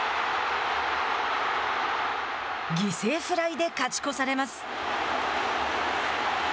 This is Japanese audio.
犠牲フライで勝ち越されます。